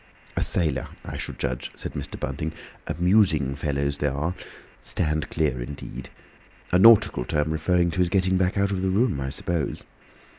"A sailor, I should judge," said Mr. Bunting. "Amusing fellows, they are. Stand clear! indeed. A nautical term, referring to his getting back out of the room, I suppose."